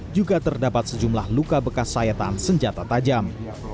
juga terdapat sejumlah luka bekas sayatan senjata tajam